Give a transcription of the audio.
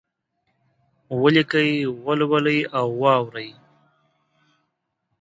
ولیکئ، ولولئ او واورئ!